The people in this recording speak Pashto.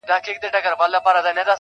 هغه د هر مسجد و څنگ ته ميکدې جوړي کړې